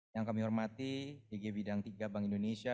yang kami hormati dg bidang tiga bank indonesia